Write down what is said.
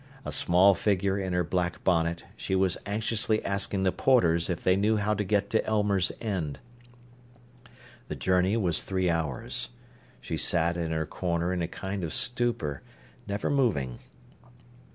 A small figure in her black bonnet, she was anxiously asking the porters if they knew how to get to Elmers End. The journey was three hours. She sat in her corner in a kind of stupor, never moving.